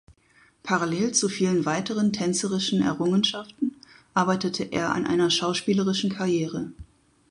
Parallel zu vielen weiteren tänzerischen Errungenschaften arbeitete er an einer schauspielerischen Karriere.